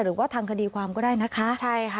หรือว่าทางคดีความก็ได้นะคะใช่ค่ะ